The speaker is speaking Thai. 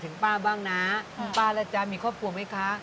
ป้าบ้างนะป้าล่ะจ๊ะมีครอบครัวไหมคะ